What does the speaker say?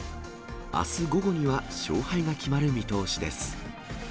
あす午後には勝敗が決まる見通しです。